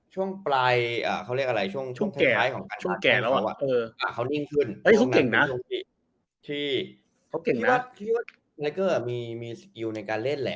ช่วงปลายอ่าเขาเรียกอะไรช่วงเทพท้ายของช่วงแก่